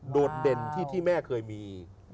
โดดเด่นที่แม่เคยมี